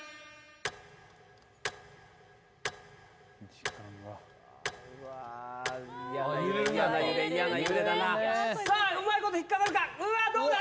時間がうわ嫌な揺れ嫌な揺れだな揺れるねさあうまいこと引っかかるかうわっどうだ？